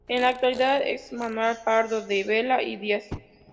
En la actualidad es Manuel Pardo de Vera y Díaz.